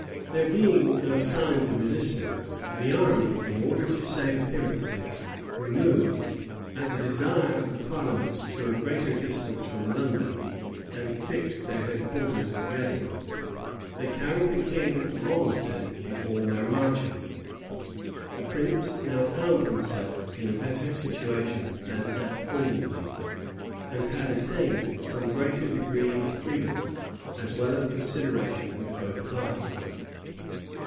There being no signs of resistance, the army, in order to save appearances, removed, at the desire of the parliament to a greater distance from London, and fixed their head quarters at Reading. They carried the king along with them in all their marches. That prince now found himself in a better situation than at Holdenby, and had attained some greater degree of freedom as well as of consideration with both parties.